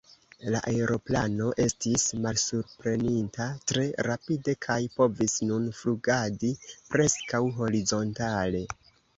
La aeroplano estis malsuprenirinta tre rapide kaj povis nun flugadi preskaŭ horizontale.